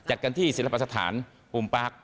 จัดกันที่ศิลปสถานภูมิปาร์ค